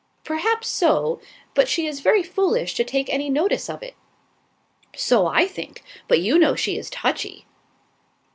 "Perhaps so; but she is very foolish to take any notice of it." "So I think; but you know she is touchy."